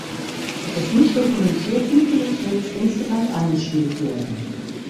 Es ist nicht dokumentiert wie viele Takes insgesamt eingespielt wurden.